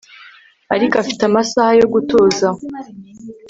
Ariko afite amasaha yo gutuza